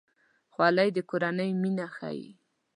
خولۍ د کورنۍ مینه ښيي.